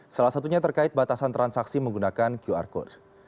salah satunya terkait batasan transaksi menggunakan qr code